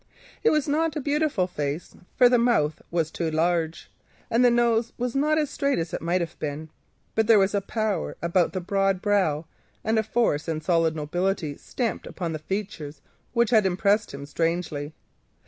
It was not a beautiful face, for the mouth was too large, and the nose was not as straight as it might have been, but there was a power about the broad brow, and a force and solid nobility stamped upon the features which had impressed him strangely.